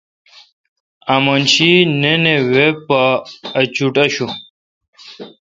امن شی نِن اے وے پا اچوٹ آݭوں۔